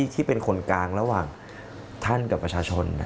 ที่เป็นคนกลางระหว่างท่านกับประชาชน